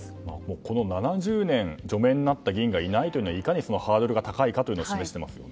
この７０年、除名になった議員がいないということはいかにハードルが高いかというのを示していますよね。